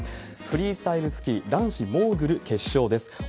フリースタイルスキー男子モーグル決勝です。